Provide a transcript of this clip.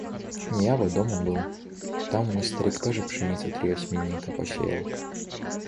Я вот дома был, там у нас старик тоже пшеницы три осминника посеял.